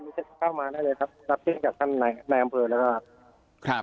มันจะเข้ามาได้เลยครับรับที่จากท่านนายอำเภอนะครับ